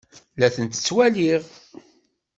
La tent-ttwaliɣ.